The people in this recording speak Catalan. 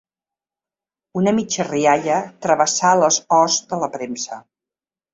Una mitja rialla travessà les hosts de la premsa.